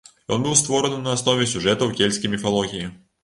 Ён быў створаны на аснове сюжэтаў кельцкай міфалогіі.